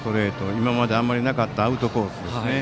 今まであまりなかったアウトコースですね。